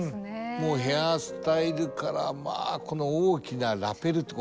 もうヘアースタイルからこの大きなラペルと襟ね。